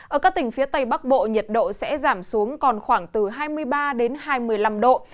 ở các tỉnh phía tây bắc bộ nhiệt độ sẽ giảm xuống còn khoảng từ hai mươi ba đến hai mươi năm độ